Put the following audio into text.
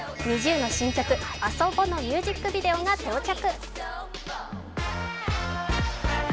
ＮｉｚｉＵの新曲「ＡＳＯＢＯ」のミュージックビデオが到着。